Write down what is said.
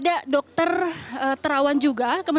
ada dokter terawan juga